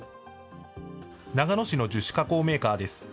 長野市の樹脂加工メーカーです。